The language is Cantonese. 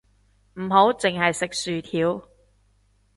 唔好淨係食薯條